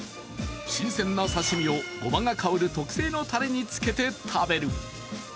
新鮮な刺身をごまが香る特製のたれにつけて食べる。